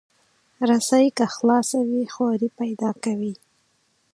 رسۍ که خلاصه وي، خواری پیدا کوي.